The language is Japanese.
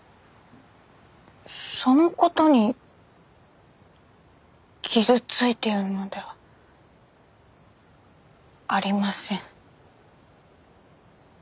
そのことに傷ついているのではありません。